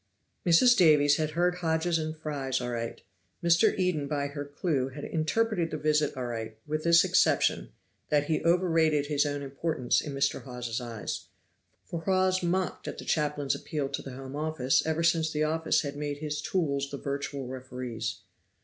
Mrs. Davies had heard Hodges and Fry aright. Mr. Eden by her clew had interpreted the visit aright, with this exception, that he overrated his own importance in Mr. Hawes's eyes. For Hawes mocked at the chaplain's appeal to the Home Office ever since the office had made his tools the virtual referees.